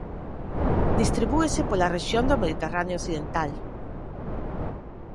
Distribúese pola rexión do Mediterráneo occidental.